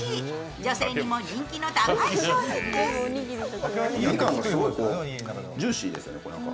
女性にも人気の高い商品です。